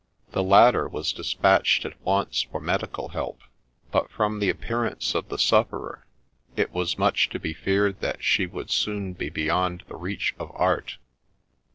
The latter was dispatched at once for medical help ; but, from the appearance of the sufferer, it was much to be feared that she would soon be beyond the reach of art.